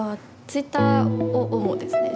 ツイッターを主ですね。